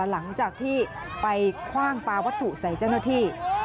หลังจากที่ไปคว่างปลาวัตถุใส่เจ้าหน้าที่